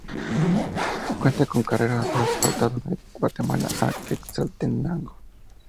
Cuenta con carretera asfaltada de Guatemala a Quetzaltenango.